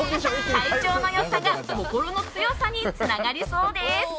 体調の良さが心の強さにつながりそうです。